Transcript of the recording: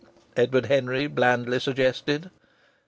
Edward Henry blandly suggested.